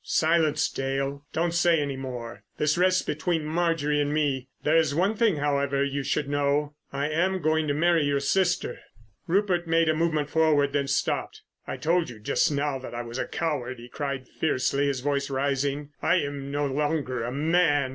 "Silence, Dale. Don't say any more. This rests between Marjorie and me. There is one thing, however, you should know—I am going to marry your sister." Rupert made a movement forward, then stopped. "I told you just now that I was a coward," he cried fiercely, his voice rising. "I am no longer a man.